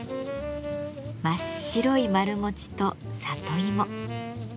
真っ白い丸餅と里芋。